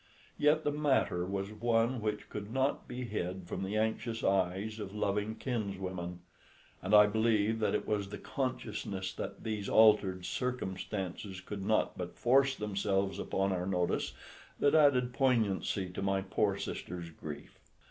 Yet the matter was one which could not be hid from the anxious eyes of loving kinswomen, and I believe that it was the consciousness that these altered circumstances could not but force themselves upon our notice that added poignancy to my poor sister's grief.